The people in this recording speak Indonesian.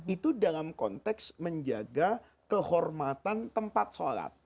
itu dalam konteks menjaga kehormatan tempat sholat